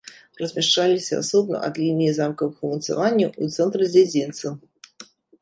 Размяшчаліся асобна ад лініі замкавых умацаванняў у цэнтры дзядзінца.